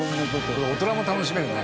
これ大人も楽しめるね。